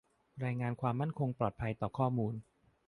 รายงานความมั่นคงปลอดภัยต่อข้อมูล